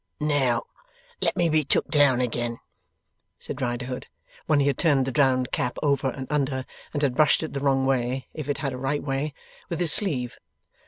'Now let me be took down again,' said Riderhood, when he had turned the drowned cap over and under, and had brushed it the wrong way (if it had a right way) with his sleeve.